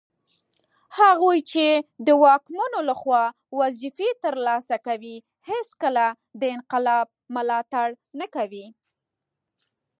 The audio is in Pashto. هغوی چي د واکمنو لخوا وظیفې ترلاسه کوي هیڅکله د انقلاب ملاتړ نه کوي